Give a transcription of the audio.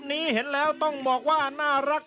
สุดท้ายของพ่อต้องรักมากกว่านี้ครับ